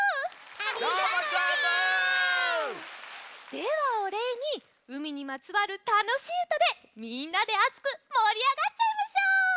ではおれいにうみにまつわるたのしいうたでみんなであつくもりあがっちゃいましょう！